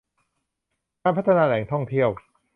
การพัฒนาแหล่งท่องเที่ยว